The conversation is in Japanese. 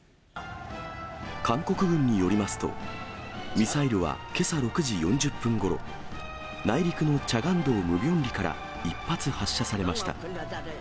韓国軍によりますと、ミサイルはけさ６時４０分ごろ、内陸のチャガン道ムピョン里から１発発射されました。